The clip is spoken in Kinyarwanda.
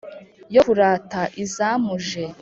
Yo kurata Izamuje,